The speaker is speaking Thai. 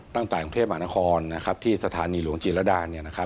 ตั้งแต่กรุงเทพมหานครที่สถานีหลวงจิรดา